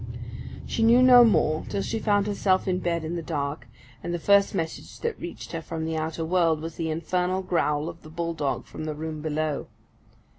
She knew no more till she found herself in bed in the dark; and the first message that reached her from the outer world was the infernal growl of the bull dog from the room below.